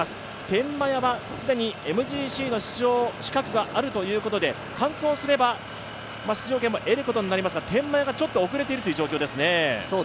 天満屋は既にＭＧＣ出場資格があるということで、完走すれば、出場権も得ることになりますが、天満屋がちょっと遅れているという状況ですね。